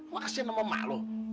makasih nama emak lo